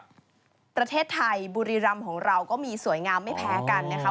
ประเทศไทยบุรีรำของเราก็มีสวยงามไม่แพ้กันนะคะ